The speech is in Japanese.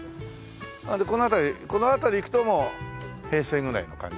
この辺りこの辺り行くともう平成ぐらいの感じですね。